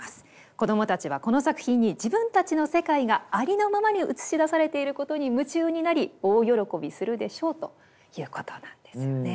子どもたちはこの作品に自分たちの世界がありのままに映し出されていることに夢中になり大喜びするでしょう」ということなんですよね。